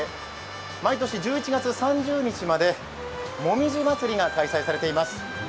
毎年１１月３０日までもみじまつりが開催されます。